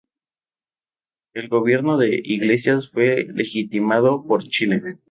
El gobierno de Iglesias fue legitimado por Chile.